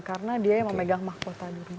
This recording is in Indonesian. karena dia yang memegang mahkota dirinya